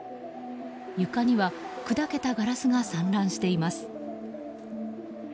床には砕けたガラスが散乱しています。